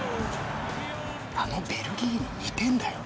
あのベルギーに２点だよ。